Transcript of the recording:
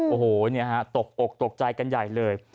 โอ้โหตกอกตกใจกันใหญ่เลย